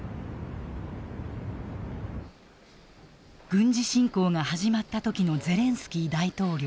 軍事侵攻が始まった時のゼレンスキー大統領。